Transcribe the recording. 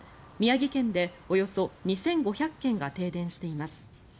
宮城県でおよそ２５００軒が停電しています。